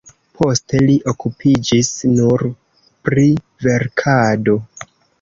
Poste li okupiĝis nur pri verkado.